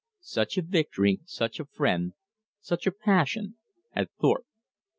Such a victory, such a friend, such a passion had Thorpe.